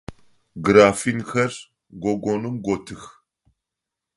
Графинхэр гогоным готых.